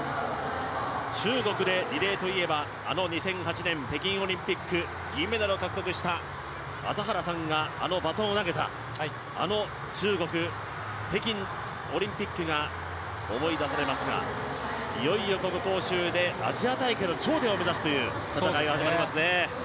中国でリレーといえばあの２０１８年北京オリンピック銀メダルを獲得した朝原さんがあのバトンを投げたあの中国・北京オリンピックが思い出されますが、いよいよこの杭州でアジア大会の頂点を目指すという戦いが始まりますね。